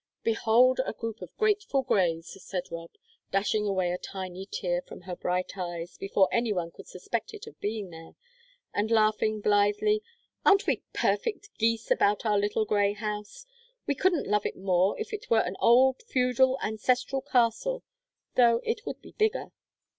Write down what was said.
"Behold a group of Grateful Greys," said Rob, dashing away a tiny tear from her bright eyes before anyone could suspect it of being there, and laughing blithely. "Aren't we perfect geese about our little grey house? We couldn't love it more if it were an old feudal, ancestral castle though it would be bigger."